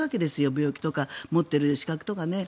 病気だとか持ってる資格とか。